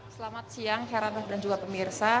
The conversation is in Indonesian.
selamat siang heranov dan juga pemirsa